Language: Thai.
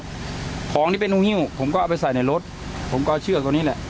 พลวงพ้องที่เป็นผมก็เอาไปใส่ในรถผมก็เอาเชือกตรงนี้แหละ